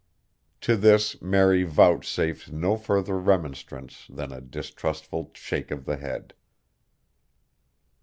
To this Mary vouchsafed no further remonstrance than a distrustful shake of the head.